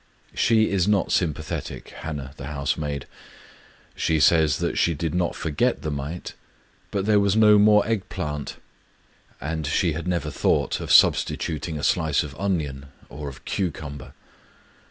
She is not sympathetic, Hana the housemaid. She says that she did not forget the mite, — but there was Digitized by Googk 240 KUSA HIBARI no more egg plant. And she had never thought of substituting a slice of onion or of cucumber!